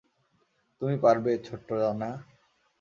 তুমি পারবে, ছোট্ট ডানা?